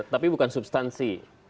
tapi bukan substansi